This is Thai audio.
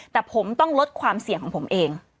แต่ผมต้องลดความเสี่ยงของผมเอง